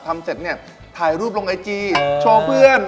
ทำเสร็จเนี่ยถ่ายรูปลงไอจีโชว์เพื่อน